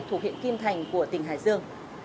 thủ hiện kim thành của tỉnh hải dương